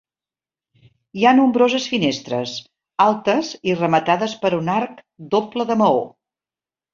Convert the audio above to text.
Hi ha nombroses finestres, altes i rematades per un arc doble de maó.